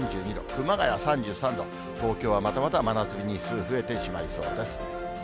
熊谷３３度、東京はまたまた真夏日日数増えてしまいそうです。